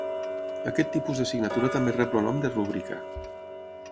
Aquest tipus de signatura també rep el nom de "rúbrica".